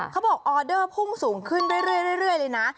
ออเดอร์พุ่งสูงขึ้นเรื่อยเลยนะ